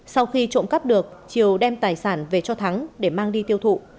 sau khi trộm cắp được triều đem tài sản về cho thắng để mang đi tiêu thụ